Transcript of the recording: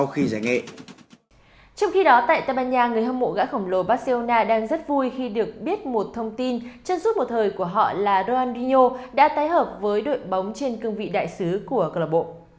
trên suốt một thời của họ là ronaldinho đã tái hợp với đội bóng trên cương vị đại sứ của club